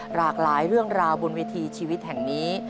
หลากหลายเรื่องราวบนเวทีชีวิตแห่งนี้